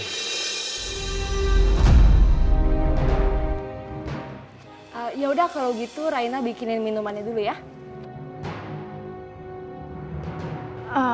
ya udah kalau gitu raina bikinin minumannya dulu ya